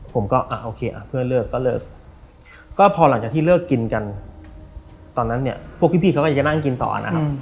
ผมก็โอเคเพื่อนเลิกก็เลิกก็พอหลังจากที่เลิกกินกันตอนนั้นเนี่ยพวกพี่เขาก็ยังจะนั่งกินต่อนะครับ